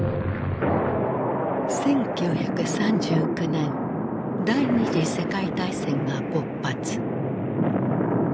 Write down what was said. １９３９年第二次世界大戦が勃発。